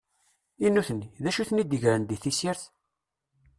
I nutni, d acu i ten-id-igren di tessirt?